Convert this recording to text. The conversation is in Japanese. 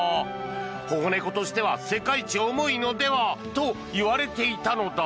保護猫としては世界一重いのではといわれていたのだ。